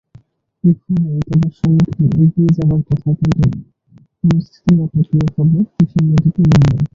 ভোরেই তাদের সম্মুখে এগিয়ে যাবার কথা কিন্তু পরিস্থিতি নাটকীয়ভাবে ভিন্ন দিকে মোড় নেয়।